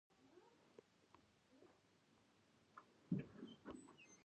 وزې له جګړو کرکه لري